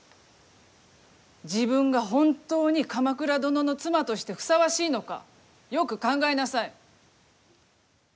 自分が本当に鎌倉殿の妻としてふさわしいのか、よく考えなさい。